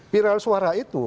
viral suara itu